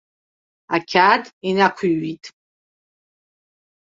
Ақьаад инақәиҩит.